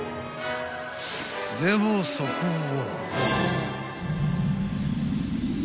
［でもそこは］